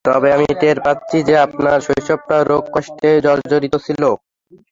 তবে আমি টের পাচ্ছি যে, আপনার শৈশবটা রোগকষ্টে জর্জরিত ছিল।